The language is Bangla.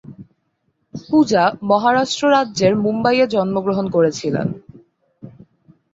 পূজা মহারাষ্ট্র রাজ্যের মুম্বাইয়ে জন্মগ্রহণ করেছিলেন।